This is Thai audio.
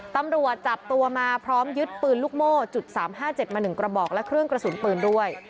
ตำรวจจับตัวมาพร้อมยึดปืนลูกโม่จุด๓๕๗มา๑กระบอกและเครื่องกระสุนปืนด้วย